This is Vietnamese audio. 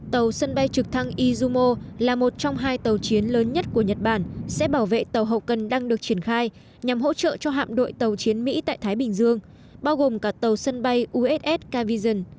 tàu sân bay trực thăng izumo là một trong hai tàu chiến lớn nhất của nhật bản sẽ bảo vệ tàu hậu cần đang được triển khai nhằm hỗ trợ cho hạm đội tàu chiến mỹ tại thái bình dương bao gồm cả tàu sân bay uss cavision